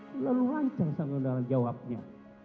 terlalu lancar saudara jawabnya